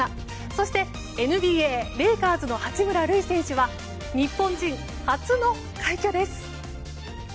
そして、ＮＢＡレイカーズの八村塁選手は日本人初の快挙です！